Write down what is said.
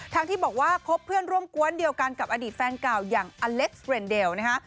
ที่บอกว่าคบเพื่อนร่วมกวนเดียวกันกับอดีตแฟนเก่าอย่างอเล็กซ์เรนเดลนะฮะ